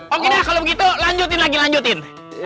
oke deh kalau begitu lanjutin lagi lanjutin